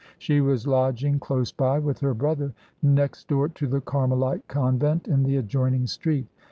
She was lodging close by with her brother, next door to the Carmelite convent in the adjoining street.